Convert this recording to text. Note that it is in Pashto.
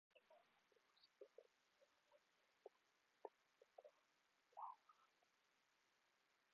د کتاب لوستل د ناپوهۍ تیارې له منځه وړي او د رڼا لار ښیي.